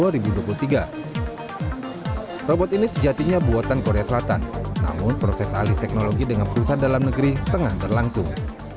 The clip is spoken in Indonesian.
robot ini sejatinya buatan korea selatan namun proses alih teknologi dengan perusahaan dalam negeri tengah berlangsung